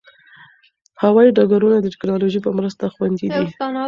هوايي ډګرونه د ټکنالوژۍ په مرسته خوندي دي.